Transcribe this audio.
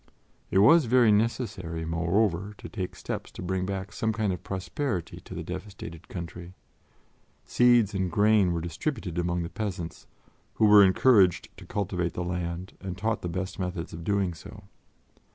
It was very necessary, moreover, to take steps to bring back some kind of prosperity to the devastated country. Seeds and grain were distributed among the peasants, who were encouraged to cultivate the land and taught the best methods of doing so.